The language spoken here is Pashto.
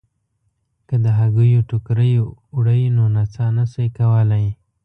که د هګیو ټوکرۍ وړئ نو نڅا نه شئ کولای.